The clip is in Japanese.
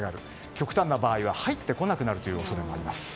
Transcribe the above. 極端な場合は入ってこない恐れもあります。